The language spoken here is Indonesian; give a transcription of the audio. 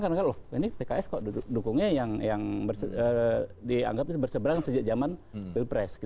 karena ini pks kok dukungnya yang dianggap berseberangan sejak zaman pilpres